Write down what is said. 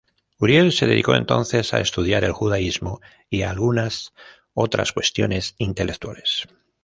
Uriel se dedicó entonces a estudiar el judaísmo y algunas otras cuestiones intelectuales.